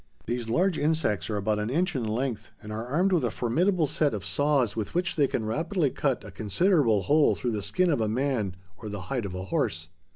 These large insects are about an inch in length and are armed with a formidable set of saws with which they can rapidly cut a considerable hole through the skin of a man or the hide of a horse.